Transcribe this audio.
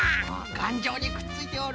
がんじょうにくっついておる。